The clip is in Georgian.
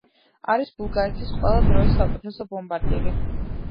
არის ბულგარეთის ყველა დროის საუკეთესო ბომბარდირი.